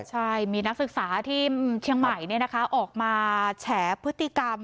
ใช่มีนักศึกษาที่เชียงใหม่ออกมาแฉพฤติกรรม